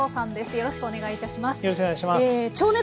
よろしくお願いします。